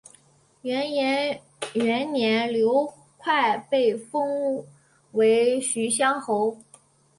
元延元年刘快被封为徐乡侯。